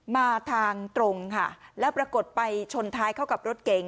มาทางตรงค่ะแล้วปรากฏไปชนท้ายเข้ากับรถเก๋ง